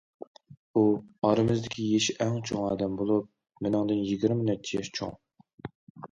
ئۇ ئارىمىزدىكى يېشى ئەڭ چوڭ ئادەم بولۇپ، مېنىڭدىن يىگىرمە نەچچە ياش چوڭ.